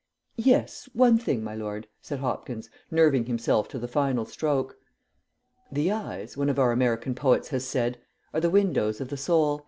"Yes, one thing, my lord," said Hopkins, nerving himself up to the final stroke. "The eyes, one of our American poets has said, are the windows of the soul.